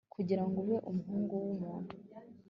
kugira ngo ube umuhungu w'umuntu